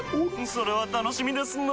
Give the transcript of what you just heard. それは楽しみですなぁ。